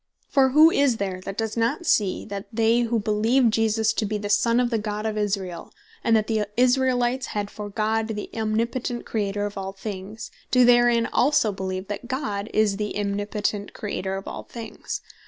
For who is there that does not see, that they who beleeve Jesus to be the Son of the God of Israel, and that the Israelites had for God the Omnipotent Creator of all things, doe therein also beleeve, that God is the Omnipotent Creator of all things?